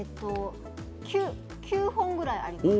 ９本ぐらいあります